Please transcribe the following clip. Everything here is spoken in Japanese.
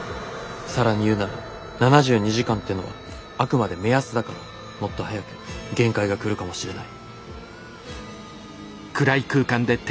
更に言うなら７２時間ってのはあくまで目安だからもっと早く限界が来るかもしれない。